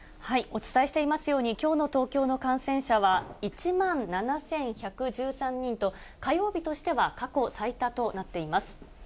お伝えしていますように、きょうの東京の感染者は１万７１１３人と、火曜日としては過去最多となっています。